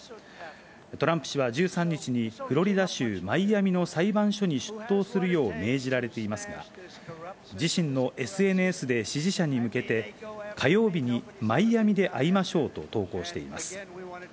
トランプ氏は１３日にフロリダ州マイアミの裁判所に出頭するよう命じられていますが、自身のＳＮＳで支持者に向けて、火曜日にマイアミで会いましょうと投稿しています。